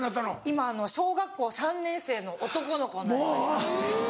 今小学校３年生の男の子になりました。